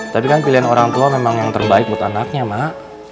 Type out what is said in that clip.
tapi kan pilihan orang tua memang yang terbaik buat anaknya mak